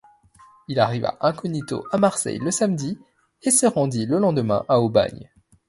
Il arriva incognito à Marseille le samedi et se rendit le lendemain à Aubagne.